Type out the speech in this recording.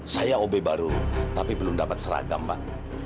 saya obe baru tapi belum dapat seragam pak